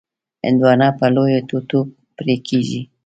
هندوانه په لویو ټوټو پرې کېږي.